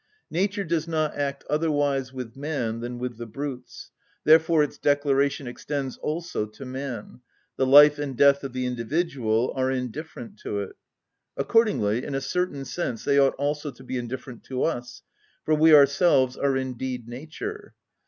Nature does not act otherwise with man than with the brutes. Therefore its declaration extends also to man: the life and death of the individual are indifferent to it. Accordingly, in a certain sense, they ought also to be indifferent to us, for we ourselves are indeed nature.